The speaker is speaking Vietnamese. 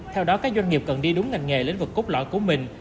theo đó các doanh nghiệp cần đi đúng ngành nghề lĩnh vực cốt lõi của mình